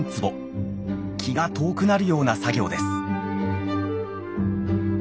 気が遠くなるような作業です。